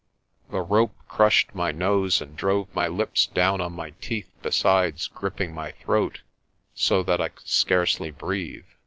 The rope crushed my nose and drove my lips down on my teeth besides gripping my throat so that I could scarcely breathe.